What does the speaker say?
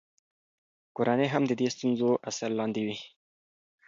کورنۍ هم د دې ستونزو اثر لاندې وي.